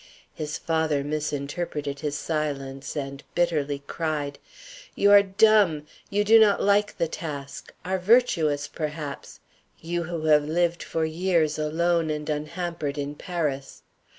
His father misinterpreted his silence, and bitterly cried: "You are dumb! You do not like the task; are virtuous, perhaps you who have lived for years alone and unhampered in Paris.